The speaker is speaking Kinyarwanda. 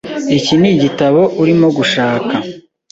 Iki nigitabo urimo gushaka.